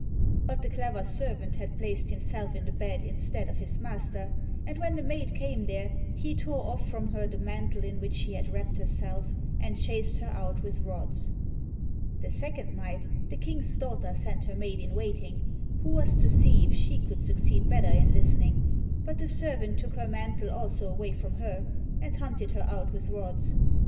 But the clever servant had placed himself in the bed instead of his master, and when the maid came there, he tore off from her the mantle in which she had wrapped herself, and chased her out with rods. The second night the King's daughter sent her maid in waiting, who was to see if she could succeed better in listening, but the servant took her mantle also away from her, and hunted her out with rods.